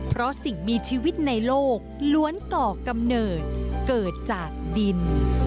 เพราะสิ่งมีชีวิตในโลกล้วนก่อกำเนิดเกิดจากดิน